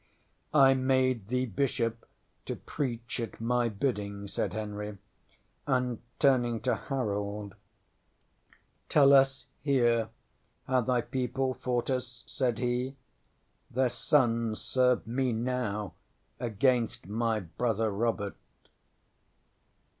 ŌĆśŌĆ£I made thee Bishop to preach at my bidding, ŌĆØ said Henry; and turning to Harold, ŌĆ£Tell us here how thy people fought us? ŌĆØ said he. ŌĆ£Their sons serve me now against my Brother Robert!